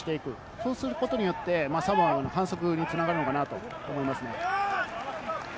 そうすることによって、サモアの反則に繋がるかなと思います。